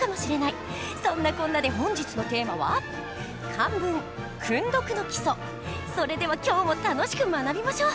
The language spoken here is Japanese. そんなこんなで本日のテーマはそれでは今日も楽しく学びましょう。